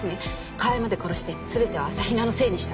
川井まで殺してすべてを朝比奈のせいにした。